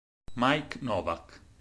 Mike Novak